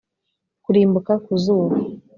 kurimbuka ku zuba